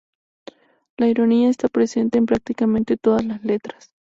La ironía está presente en prácticamente todas las letras.